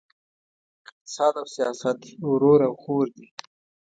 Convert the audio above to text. اقتصاد او سیاست ورور او خور دي!